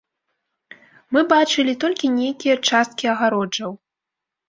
Мы бачылі толькі нейкія часткі агароджаў.